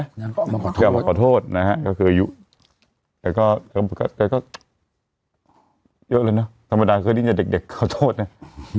แต่ค่ะก็ออกมาขอโทษใช่มั้ยออกมาขอโทษนะฮะก็คือนะเรียกเลยเนี่ยธรรมดาได้เนี่ยเด็กขอโทษเนี่ย